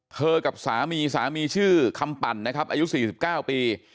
กับสามีสามีชื่อคำปั่นนะครับอายุ๔๙ปี